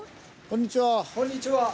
こんにちは。